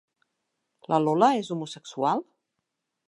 La Lola és homosexual?